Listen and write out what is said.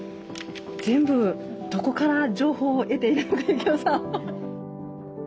全部どこから情報を得ているのか幸士さん。